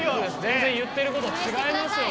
全然言ってること違いますよね。